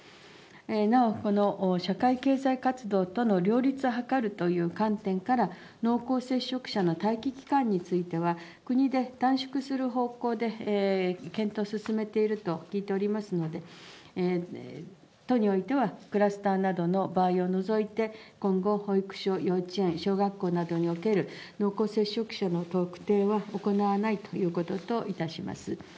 なおこの社会経済活動との両立を図るという観点から、濃厚接触者の待機期間については、国で短縮する方向で検討進めていると聞いておりますので、都においては、クラスターなどの場合を除いて、今後、保育所、幼稚園、小学校などにおける濃厚接触者の特定は行わないということといたします。